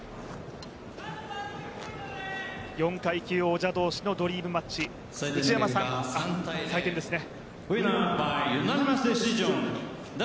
４階級王者同士のドリームマッチ内山さん採点ですね。